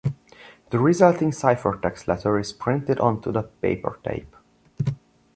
The resulting ciphertext letter is printed onto the paper tape.